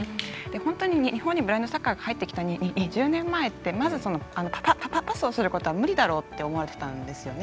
本当に日本にブラインドサッカーが入ってきた２０年前ってまずパスをすることが無理だろうって思われていたんですね。